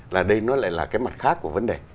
là đây nó lại là cái mặt khác của vấn đề